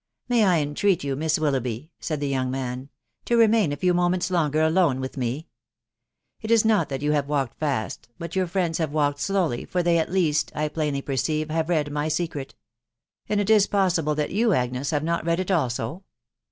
" May I entreat you, Miss Willoughby," said die "young man, " to remain a few moments longer alone with me. ... It is not that you have walked fast, but your friends have walked slowly, for they, at least, I plainly perceive, have mad my secret. ... And is it possible that youj Agnes, have not read it also